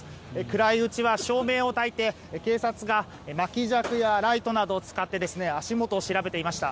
暗いうちは照明をたいて、警察が巻き尺やライトなどを使って足元を調べていました。